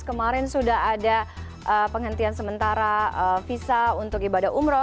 kemarin sudah ada penghentian sementara visa untuk ibadah umroh